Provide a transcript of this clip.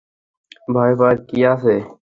ভয় পাওয়ার কী আছে?